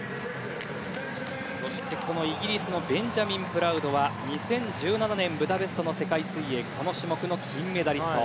イギリスのベンジャミン・プラウドは２０１７年ブダペストの世界水泳この種目の金メダリスト。